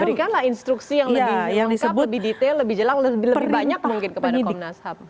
berikanlah instruksi yang lebih lengkap lebih detail lebih jelang lebih banyak mungkin kepada komnas ham